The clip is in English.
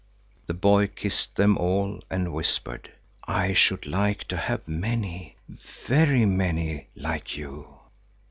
The boy kissed them all and whispered: "I should like to have many, very many like you."